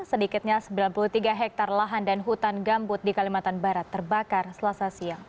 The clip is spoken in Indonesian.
sedikitnya sembilan puluh tiga hektare lahan dan hutan gambut di kalimantan barat terbakar selasa siang